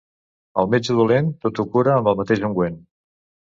El metge dolent tot ho cura amb el mateix ungüent.